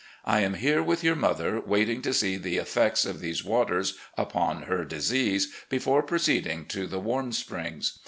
I am here with your mother, waiting to see the effects of these waters upon her disease, before proceeding to the Warm Springs.